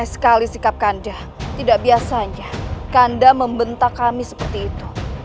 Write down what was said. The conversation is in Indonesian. sekali sikap kanda tidak biasanya kanda membentak kami seperti itu